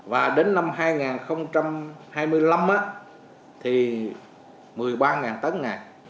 và đến năm hai nghìn hai mươi năm thì một mươi ba tấn ngày